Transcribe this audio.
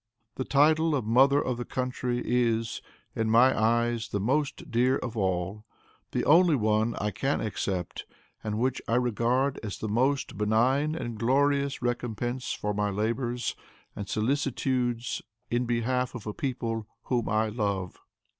The title of Mother of the Country is, in my eyes, the most dear of all, the only one I can accept, and which I regard as the most benign and glorious recompense for my labors and solicitudes in behalf of a people whom I love."